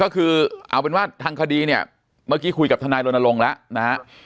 ก็คือเอาเป็นว่าทางคดีเนี่ยเมื่อกี้คุยกับทนายรณรงค์แล้วนะฮะ